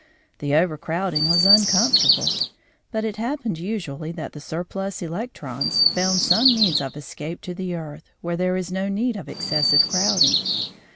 The overcrowding was uncomfortable, but it happened usually that the surplus electrons found some means of escape to the earth, where there is no need of excessive crowding.